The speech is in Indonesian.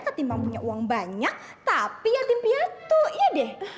ketimbang punya uang banyak tapi yatim piatu ya deh